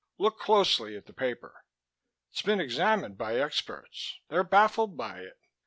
Look closely at the paper; it's been examined by experts. They're baffled by it.